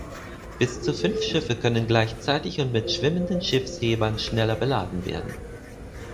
Bis zu fünf Schiffe können gleichzeitig und mit schwimmenden Schiffshebern schneller beladen werden.